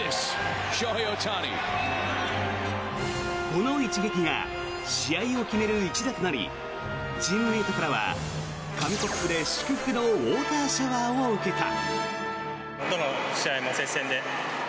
この一撃が試合を決める一打となりチームメートからは紙コップで祝福のウォーターシャワーを受けた。